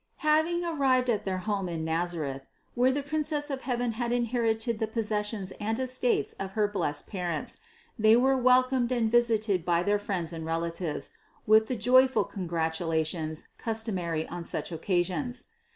759. Having arrived at their home in Nazareth, where the Princess of heaven had inherited the pos sessions and estates of her blessed parents, they were welcomed and visited by their friends and relatives with the joyful congratulations customary on such occa sions.